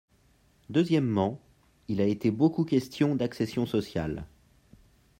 Deuxièmement, il a été beaucoup question d’accession sociale.